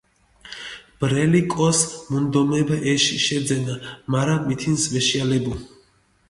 ბრელი კოს მუნდომებ, ეში შეძენა, მარა მითინს ვეშიალებუ.